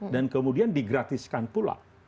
dan kemudian di gratiskan pula